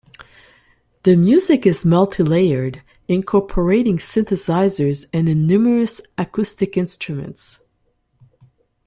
The music is multi-layered, incorporating synthesizers and a numerous acoustic instruments.